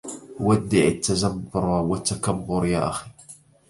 ودع التجبر والتكبر يا أخي